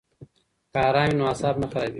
که آرام وي نو اعصاب نه خرابیږي.